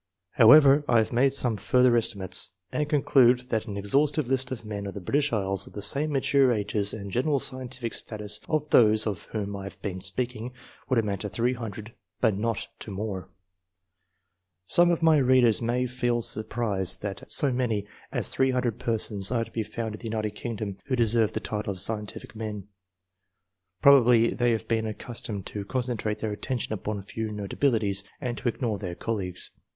However, I have madcj some furtlier estimates, and conclude that an exhaustive list of men of the British Isles, of the same mature ages and general scientific status as those of whom I have been speaking, would amount to 300, but not to more. Some of my readers may feel surprise that so many as 300 persons are to be found in the United Kingdom who deserve the title of I.] ANTEOEDENTS. 7 scientific men ; probably they have been accus tomed to concentrate their attention upon a few notabilities, and to ignore their colleagues.